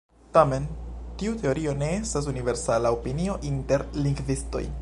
Tamen, tiu teorio ne estas universala opinio inter lingvistoj.